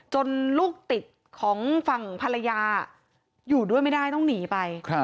ลูกติดของฝั่งภรรยาอยู่ด้วยไม่ได้ต้องหนีไป